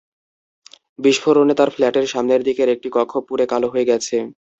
বিস্ফোরণে তাঁর ফ্ল্যাটের সামনের দিকের একটি কক্ষ পুড়ে কালো হয়ে গেছে।